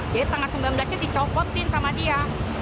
jadi tanggal sembilan belas nya dicopotin sama dia